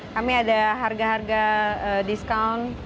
kami ada harga harga diskon